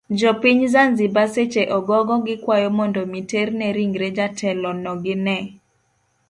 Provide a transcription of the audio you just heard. Jopiny zanziba seche ogogo gikwayo mondo mi terne ringre jatelono ginee